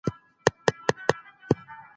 خپل وجدان ته ځواب ویونکي اوسئ.